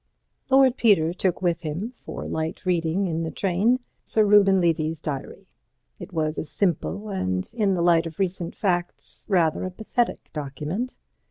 Lord Peter took with him, for light reading in the train, Sir Reuben Levy's diary. It was a simple, and in the light of recent facts, rather a pathetic document.